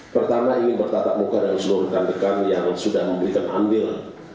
pertama ingin bertatap muka dengan seluruh rekan rekan yang sudah memberikan andil